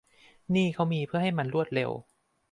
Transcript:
นี่เขามีเพื่อให้มันรวดเร็ว